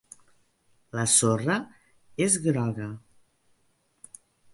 La sorra és groga.